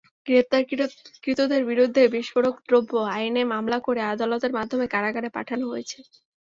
গ্রেপ্তারকৃতদের বিরুদ্ধে বিস্ফোরক দ্রব্য আইনে মামলা করে আদালতের মাধ্যমে কারাগারে পাঠানো হয়েছে।